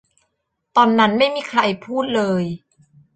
ตอนนั้นไม่มีใครพูดเลย